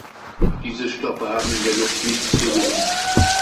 Diese Stoffe haben in der Luft nichts zu suchen.